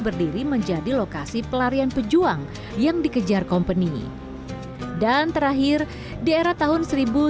berdiri menjadi lokasi pelarian pejuang yang dikejar company dan terakhir di era tahun seribu sembilan ratus sembilan puluh